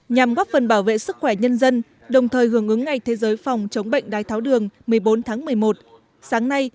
nhằm góp phần bảo vệ sức khỏe nhân dân đồng thời hưởng ứng ngày thế giới phòng chống bệnh đái tháo đường một mươi bốn tháng một mươi một sáng nay